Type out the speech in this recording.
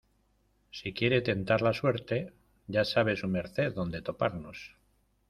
si quiere tentar la suerte, ya sabe su merced dónde toparnos.